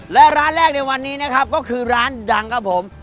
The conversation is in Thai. และร้านแรกในวันนี้นะครับก็คือร้านดังครับผม